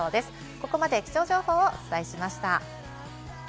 ここまで気象情報をお伝えしました。